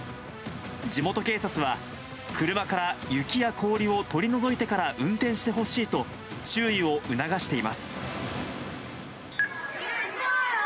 地元警察は、車から雪や氷を取り除いてから運転してほしいと、注意を促しています。